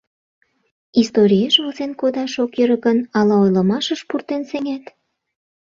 — Историеш возен кодаш ок йӧрӧ гын, ала ойлымашыш пуртен сеҥет?